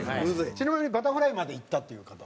ちなみにバタフライまでいったっていう方は。